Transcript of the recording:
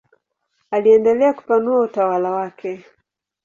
Aliendelea kupanua utawala wake.